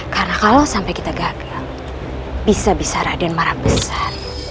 karena kalau sampai kita gagal bisa bisa raden marah besar